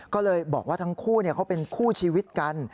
ก็เลยบอกว่าทั้งคู่เขาเป็นคู่ชีวิตกัน